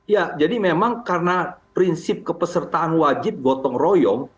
ya jadi memang karena prinsip kepesertaan wajib gotong royong